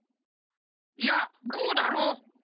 いやこうだろ。